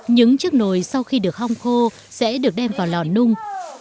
những chiếc nồi sau khi được hong khô sẽ được đem vào lò nung